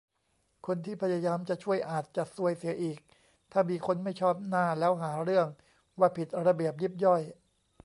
คนที่พยายามจะช่วยอาจจะซวยเสียอีก ถ้ามีคนไม่ชอบหน้าแล้วหาเรื่องว่าผิดระเบียบยิบย่อย